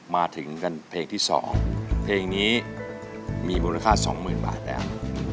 มาถึงกันเพลงที่สองเพลงนี้มีมูลค่าสองหมื่นบาทแล้ว